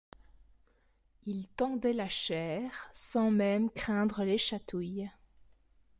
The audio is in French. Il tendait la chair, sans même craindre les chatouilles.